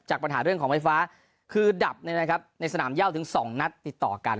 ปัญหาเรื่องของไฟฟ้าคือดับในสนามย่าถึง๒นัดติดต่อกัน